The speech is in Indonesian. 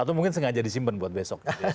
atau mungkin sengaja disimpan buat besok